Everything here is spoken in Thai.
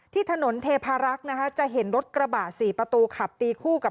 ที่ถนนเทพารักษ์นะคะจะเห็นรถกระบะ๔ประตูขับตีคู่กับ